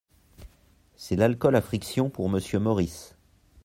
C’est l’alcool à frictions pour Monsieur Maurice.